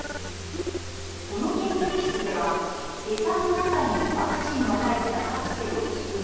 この研究室では、餌の中にワクチンの入ったカプセルを包み